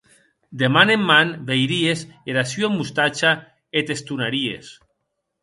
De man en man veiries era sua mostacha, e t’estonaries.